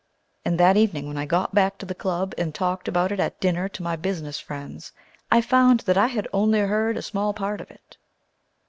And that evening when I got back to the club and talked about it at dinner to my business friends, I found that I had only heard a small part of it.